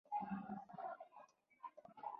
د يوه موټر ډريور له خپل موټر څخه فرش راوويست.